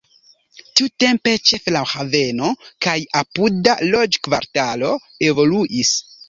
Tiutempe ĉefe la haveno kaj la apuda loĝkvartalo evoluis.